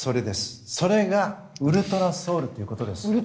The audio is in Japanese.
それがウルトラソウルということです。